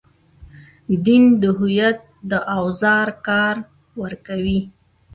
دین د هویت د اوزار کار ورکوي.